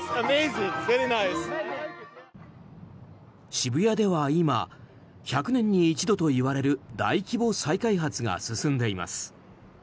渋谷では今１００年に一度といわれる大規模再開発が進んでいます。